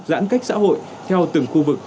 giãn cách xã hội theo từng khu vực